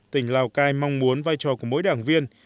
tỉnh lào cai mong muốn vai trò của mỗi đảng viên